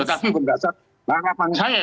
tetapi berdasarkan harapan saya